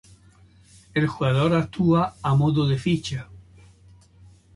El jugador actúa a modo de ficha.